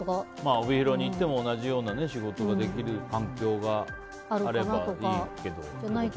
帯広に行っても同じような仕事をできる環境があればいいけど。